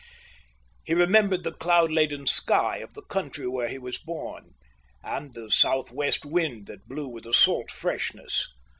He remembered the cloud laden sky of the country where he was born, and the south west wind that blew with a salt freshness.